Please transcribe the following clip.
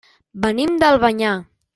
Venim d'Albanyà.